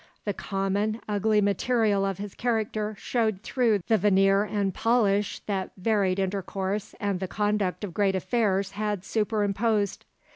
The common, ugly material of his character showed through the veneer and polish that varied intercourse and the conduct of great affairs had superimposed.